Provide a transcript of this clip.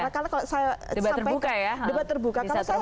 karena kalau saya